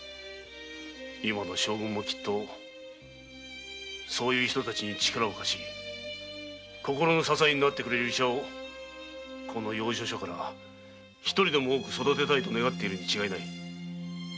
今の将軍もきっとそういう人たちに力を貸し心の支えになってくれる医者をこの養生所から一人でも多く育てたいと願っているに違いない。